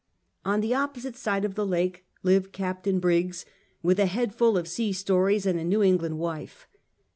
On the oppo site side of the lake lived Captain Briggs, with a head full of sea stories, and a New England wife.